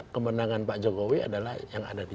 kemenangan pak jokowi adalah yang ada di